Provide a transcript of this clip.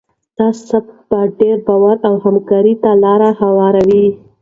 دا ثبات بیا ډیر باور او همکارۍ ته لاره هواروي.